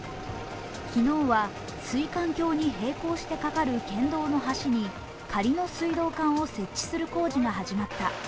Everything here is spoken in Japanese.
昨日は水管橋に並行してかかる橋に仮のの水道管を設置する工事が始まった。